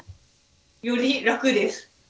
より楽です。